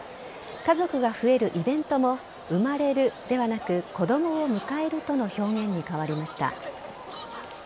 家族が増えるイベントも生まれるではなく子供を迎えるとの表現に変わりました。